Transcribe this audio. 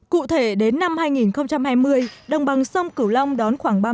cụ thể đến năm hai nghìn hai mươi đồng bằng sông kiểu long đón khoảng